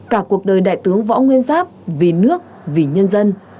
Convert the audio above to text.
cả cuộc đời đại tướng võ nguyên giáp vì nước vì nhân dân